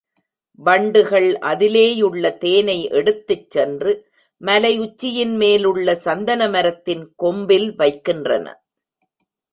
வண்டுகள் அதிலேயுள்ள தேனை எடுத்துச் சென்று மலை உச்சியின் மேலுள்ள சந்தன மரத்தின் கொம்பில் வைக்கின்றன.